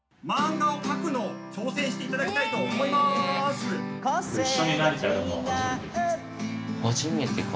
漫画をかくのを挑戦していただきたいと思います！